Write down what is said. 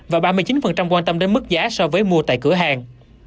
và ba mươi chín quan tâm đến mức giá so với mua tại cửa hàng